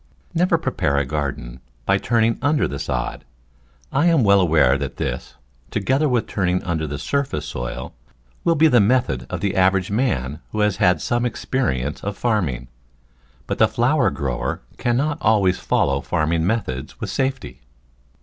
Never prepare a garden by turning under the sod. I am well aware that this, together with turning under the surface soil, will be the method of the average man who has had some experience of farming, but the flower grower cannot always follow farming methods with safety.